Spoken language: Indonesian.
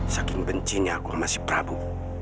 saking bencinya aku masih prabu